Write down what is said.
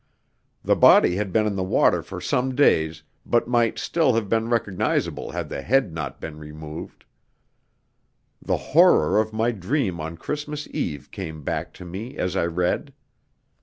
The body had been in the water for some days, but might still have been recognisable had the head not been removed. The horror of my dream on Christmas Eve came back to me as I read.